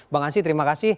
bang ansyi terima kasih